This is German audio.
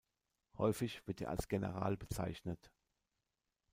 Häufig wird er als General bezeichnet.